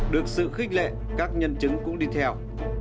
được sự khích lệ các nhân chứng cũng đi theo